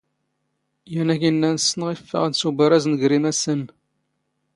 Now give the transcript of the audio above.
ⵢⴰⵏ ⴰⴽ ⵉⵏⵏⴰⵏ ⵙⵙⵏⵖ ⵉⴼⴼⴰⵖ ⴷ ⵙ ⵓⴱⴰⵔⴰⵣ ⵏⴳⵔ ⵉⵎⴰⵙⵙⴰⵏⵏ.